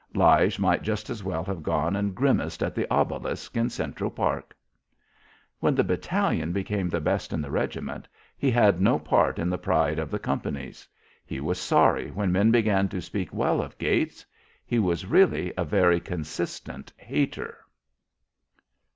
Lige might just as well have gone and grimaced at the obelisk in Central Park. When the battalion became the best in the regiment he had no part in the pride of the companies. He was sorry when men began to speak well of Gates. He was really a very consistent hater.